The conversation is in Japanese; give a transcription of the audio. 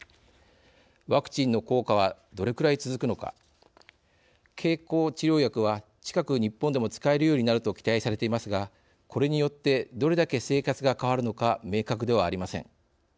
ワクチンの効果はどれくらい続くのか経口治療薬は近く日本でも使えるようになると期待されていますがこれによってどれだけ生活が変わるのか明確ではありません。